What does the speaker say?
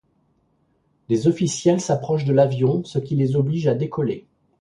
Des officiels s'approchent de l'avion, ce qui les oblige à décoller.